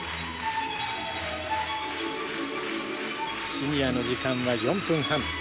シニアの時間は４分半。